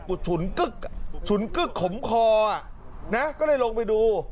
กูฉุนกึ๊กฉุนกึ๊กขมคอนะก็ได้ลงไปดู